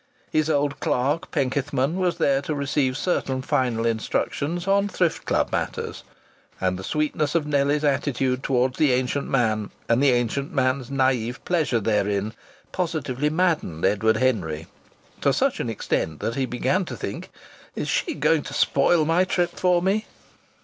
His old clerk, Penkethman, was there to receive certain final instructions on Thrift Club matters, and the sweetness of Nellie's attitude towards the ancient man, and the ancient man's naïve pleasure therein, positively maddened Edward Henry. To such an extent that he began to think: "Is she going to spoil my trip for me?"